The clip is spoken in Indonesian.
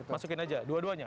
masukin aja dua duanya